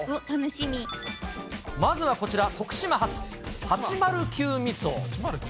まずはこちら、徳島発、８９０ミソ。